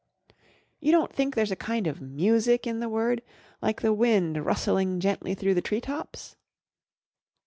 "You don't think there's a kind of music in the word, like the wind rustling gently through the tree tops